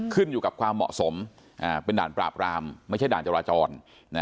ขึ้นอยู่กับความเหมาะสมเป็นด่านปราบรามไม่ใช่ด่านจราจร